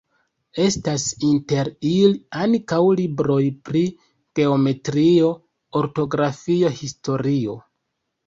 Estas inter ili ankaŭ libroj pri geometrio, ortografio, historio.